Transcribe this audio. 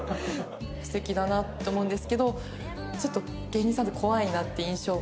素敵だなって思うんですけどちょっと芸人さんって怖いなって印象も。